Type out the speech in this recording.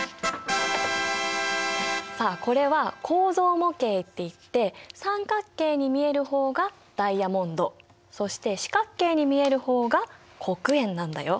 さあこれは構造模型っていって三角形に見える方がダイヤモンドそして四角形に見える方が黒鉛なんだよ。